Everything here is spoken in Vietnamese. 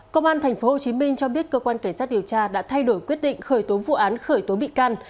công an tp hcm cho biết cơ quan cảnh sát điều tra đã thay đổi quyết định khởi tố vụ án khởi tố bị can